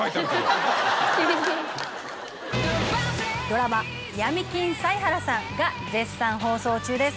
ドラマ『闇金サイハラさん』が絶賛放送中です。